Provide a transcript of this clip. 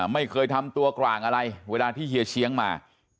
ไม่เคยทำตัวกลางอะไรเวลาที่เฮียเชียงมา